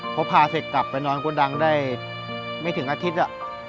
พอพาเสร็จกลับไปนอนโกดังได้ไม่ถึงอาทิตย์